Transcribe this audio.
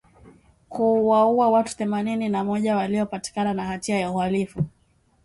kuwaua watu themanini na moja waliopatikana na hatia ya uhalifu